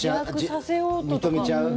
認めちゃう。